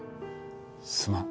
すまん。